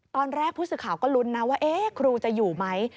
ตอนแรกผู้สื่อข่าวก็ลุ้นนะว่าครูจะอยู่ไหม